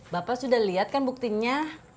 bapak sudah lihat kan buktinya